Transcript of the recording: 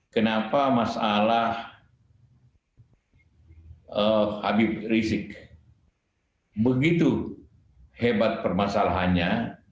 kenapa masalah habib rizik begitu hebat permasalahannya